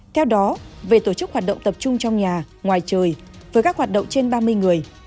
theo đó về tổ chức hoạt động tập trung trong nhà ngoài trời với các hoạt động trên ba mươi người